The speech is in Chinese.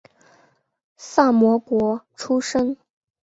萨摩国出身。